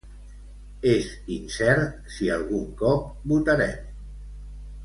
És incert si algun cop votarem.